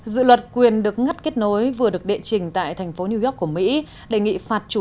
dự luật quyền được ngắt kết nối vừa được đệ trình tại thành phố new york của mỹ đề nghị phạt chủ